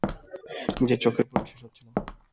নিজের চোখের ওপর বিশ্বাস হচ্ছে না।